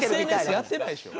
ＳＮＳやってないでしょ。